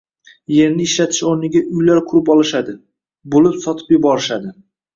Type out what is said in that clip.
«Yerni ishlatish o‘rniga uylar qurib olishadi, bo‘lib sotib yuborishadi».